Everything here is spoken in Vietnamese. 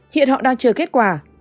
hiện họ đang chờ kết quả